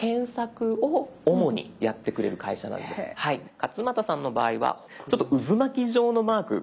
勝俣さんの場合はちょっと渦巻き状のマーク。